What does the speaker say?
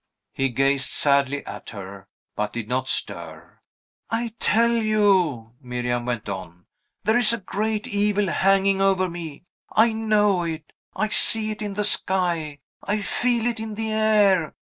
He gazed sadly at her, but did not stir. "I tell you," Miriam went on, "there is a great evil hanging over me! I know it; I see it in the sky; I feel it in the air!